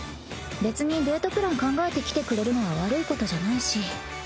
別にデートプラン考えてきてくれるのは悪いことじゃないし。